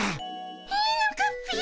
いいのかっピ？